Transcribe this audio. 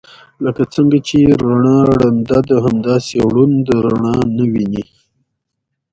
لکه څنګه چې رڼا ړنده ده همداسې ړوند رڼا نه ويني.